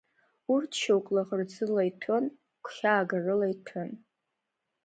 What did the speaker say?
Урҭ шьоук лаӷырӡыла иҭәын, гәхьаагарыла иҭәын.